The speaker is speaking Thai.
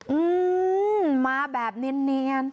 อืมมาแบบเนียน